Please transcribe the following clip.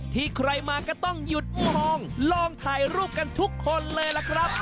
ใครมาก็ต้องหยุดมองลองถ่ายรูปกันทุกคนเลยล่ะครับ